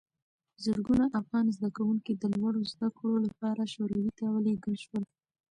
زرګونه افغان زدکوونکي د لوړو زده کړو لپاره شوروي ته ولېږل شول.